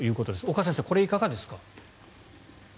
岡先生、これいかがですか？